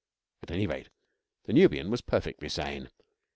At any rate, the Nubian was perfectly sane.